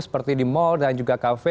seperti di mal dan juga kafe